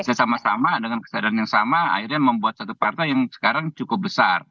saya sama sama dengan kesadaran yang sama akhirnya membuat satu partai yang sekarang cukup besar